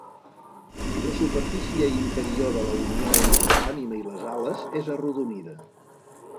La superfície interior de la unió entre l'ànima i les ales és arrodonida.